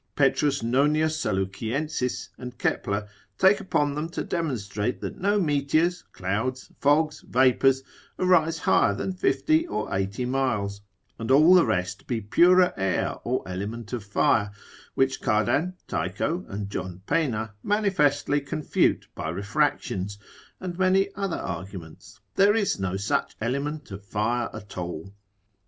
P. Nonius Saluciensis and Kepler take upon them to demonstrate that no meteors, clouds, fogs, vapours, arise higher than fifty or eighty miles, and all the rest to be purer air or element of fire: which Cardan, Tycho, and John Pena manifestly confute by refractions, and many other arguments, there is no such element of fire at all.